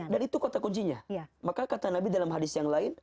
dan itu kota kuncinya maka kata nabi dalam hadis yang lain